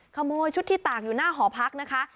ขโมยชุดที่ตากอยู่หน้าหอพักนะคะ